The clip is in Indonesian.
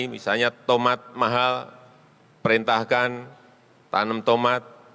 misalnya tomat mahal perintahkan tanam tomat